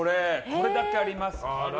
これだけあります。